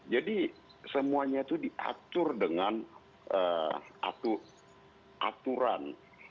jadi semuanya itu diatur dengan aturan